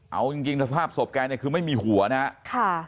เอาจริงสภาพศพแกเนี่ยคือไม่มีหัวนะครับ